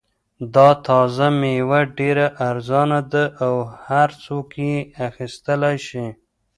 دا تازه مېوه ډېره ارزان ده او هر څوک یې اخیستلای شي.